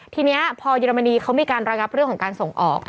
ทีนี้พอเยอรมนีเขามีการระงับเรื่องของการส่งออก